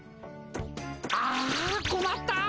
あこまったっ！